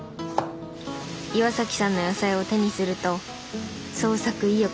岩さんの野菜を手にすると創作意欲が全開に。